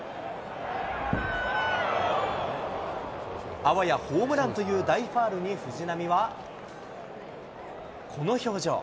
あわやホームランという大ファウルに藤浪は、この表情。